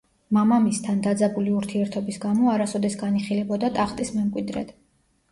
მამამისთან დაძაბული ურთიერთობის გამო არასოდეს განიხილებოდა ტახტის მემკვიდრედ.